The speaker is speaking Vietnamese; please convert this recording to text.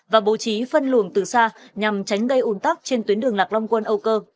và bố trí phân luồng từ xa nhằm tránh gây ủn tắc trên tuyến đường lạc long quân âu cơ